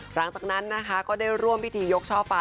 หลังจากนั้นนะคะก็ได้ร่วมพิธียกช่อฟ้า